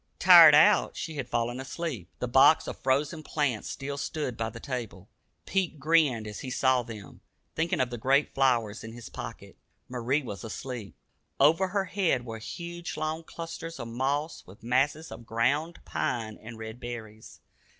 Tired out, she had fallen asleep. The box of frozen plants still stood by the table. Pete grinned as he saw them, thinking of the great flowers in his pocket. Marie was asleep. Over her head were hung long clusters of moss, with masses of ground pine and red berries.